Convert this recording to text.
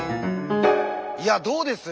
いやどうです？